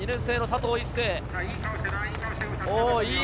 ２年生の佐藤一世。